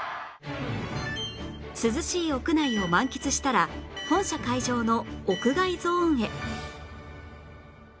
涼しい屋内を満喫したら本社会場の屋外ゾーンへ